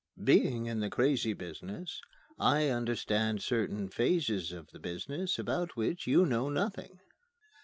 Being in the Crazy Business, I understand certain phases of the business about which you know nothing.